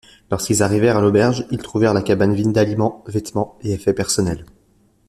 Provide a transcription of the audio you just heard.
Lorsqu'ils arrivèrent à l'auberge, ils trouvèrent la cabane vide d'aliments, vêtements et effets personnels.